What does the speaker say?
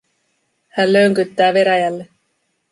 Hän lönkyttää veräjälle.